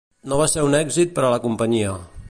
No va ser un èxit per a la companyia.